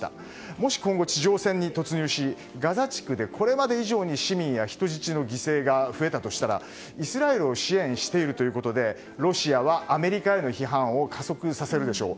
もし今後地上戦に突入しガザ地区でこれまで以上に市民や人質の犠牲が増えたとしたらイスラエルを支援しているということでロシアはアメリカへの批判を加速させるでしょう。